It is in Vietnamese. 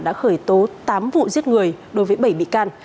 đã khởi tố tám vụ giết người đối với bảy bị can